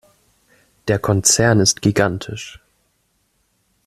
Der Konzern ist gigantisch.